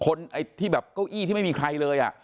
คนที่เก้าอี้ที่ไม่มีใครเลย